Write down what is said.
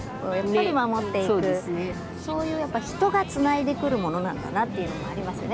そういう人がつないでくるものなんだなっていうのもありますよね。